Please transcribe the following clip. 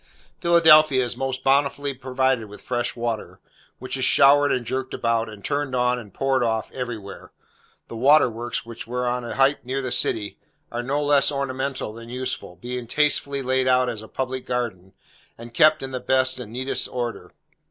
Philadelphia is most bountifully provided with fresh water, which is showered and jerked about, and turned on, and poured off, everywhere. The Waterworks, which are on a height near the city, are no less ornamental than useful, being tastefully laid out as a public garden, and kept in the best and neatest order.